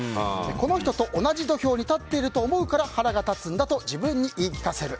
この人と同じ土俵に立っていると思うから腹が立つんだと自分に言い聞かせる。